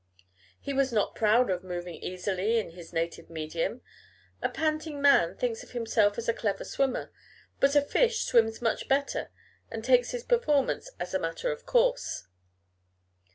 He was not proud of moving easily in his native medium. A panting man thinks of himself as a clever swimmer; but a fish swims much better, and takes his performance as a matter of course.